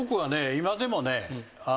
今でもね